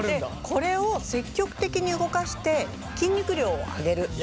これを積極的に動かして筋肉量を上げる。